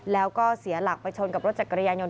แล้วก็เสียหลักไปชนกับรถจักรยานยนต